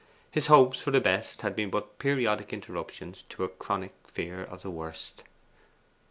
His hopes for the best had been but periodic interruptions to a chronic fear of the worst.